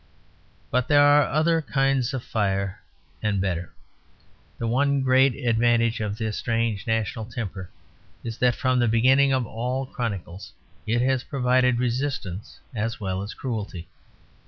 But there are other kinds of fire; and better. The one great advantage of this strange national temper is that, from the beginning of all chronicles, it has provided resistance as well as cruelty.